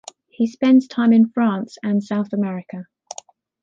He spends time in France and in South America.